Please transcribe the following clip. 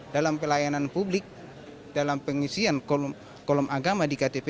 dalam pelayanan publik dalam pengisian kolom agama di ktp